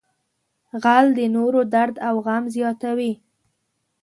غل د نورو درد او غم زیاتوي